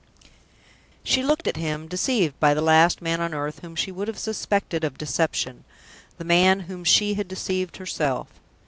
She looked at him, deceived by the last man on earth whom she would have suspected of deception the man whom she had deceived herself.